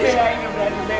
cepetan jangan berani bek